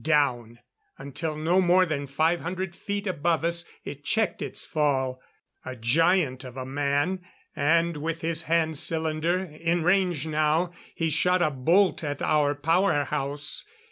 Down until no more than five hundred feet above us it checked its fall. A giant of a man; and with his hand cylinder in range now he shot a bolt at our power house.